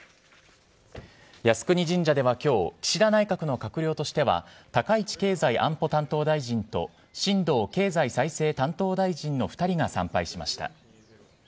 靖国神社ではきょう、岸田内閣の閣僚としては、高市経済安保担当大臣と新藤経済再生担当大臣の２人が参拝しました。